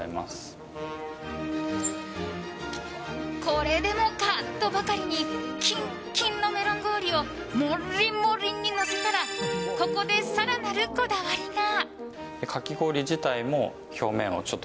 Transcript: これでもかとばかりにキンキンのメロン氷をモリモリにのせたらここで更なるこだわりが。